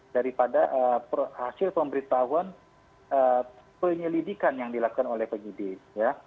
daripada hasil pemberitahuan penyelidikan yang dilakukan oleh penyidik ya